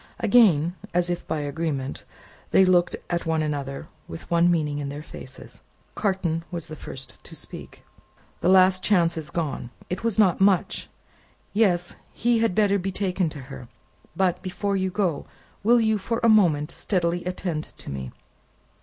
Again, as if by agreement, they looked at one another with one meaning in their faces. Carton was the first to speak: "The last chance is gone: it was not much. Yes; he had better be taken to her. But, before you go, will you, for a moment, steadily attend to me?